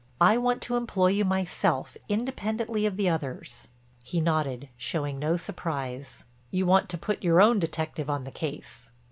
I want to employ you myself independently of the others." He nodded, showing no surprise; "You want to put your own detective on the case."